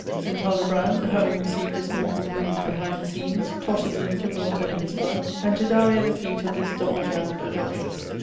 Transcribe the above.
St. Aldobrand, having received his mortal wound behind the scenes, totters in to welter in his blood, and to die at the feet of this double damned adultress.